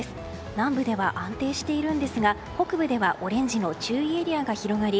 南部では安定しているんですが北部ではオレンジの注意エリアが広がり